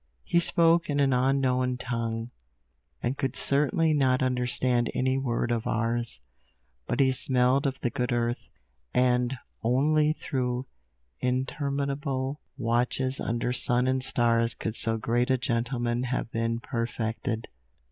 He spoke in an unknown tongue, and could certainly not understand any word of ours; but he smelled of the good earth, and only through interminable watches under sun and stars could so great a gentleman have been perfected.